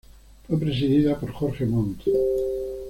Fue presidida por Jorge Montt.